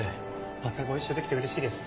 またご一緒できてうれしいです。